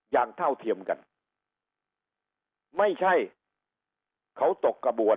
เท่าเทียมกันไม่ใช่เขาตกกระบวน